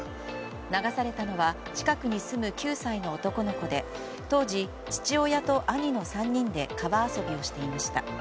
流されたのは近くに住む９歳の男の子で当時、父親と兄の３人で川遊びをしていました。